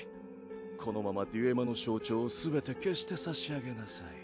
このままデュエマの象徴をすべて消してさし上げなさい。